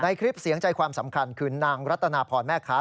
คลิปเสียงใจความสำคัญคือนางรัตนาพรแม่ค้า